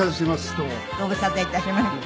ご無沙汰いたしました。